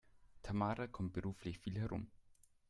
Tamara kommt beruflich viel herum.